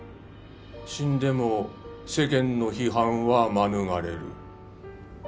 死んでも世間の批判は免れる。